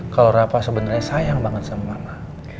kalau rapa sebenarnya sayang banget sama mama